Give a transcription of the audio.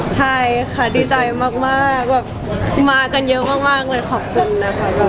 ใช่ค่ะดีใจมากแบบมากันเยอะมากเลยขอบคุณนะคะ